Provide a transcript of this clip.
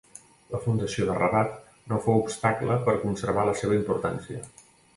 La fundació de Rabat no fou obstacle per conservar la seva importància.